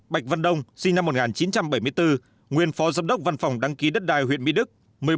một mươi ba bạch văn đông sinh năm một nghìn chín trăm bảy mươi bốn nguyên phó giám đốc văn phòng đăng ký đất đai huyện mỹ đức